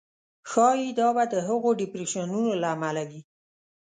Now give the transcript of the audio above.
ښایي دا به د هغو ډېپریشنونو له امله وي.